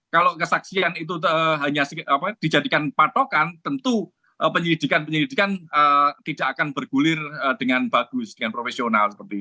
kalau kesaksian itu hanya dijadikan patokan tentu penyelidikan penyelidikan tidak akan bergulir dengan bagus dengan profesional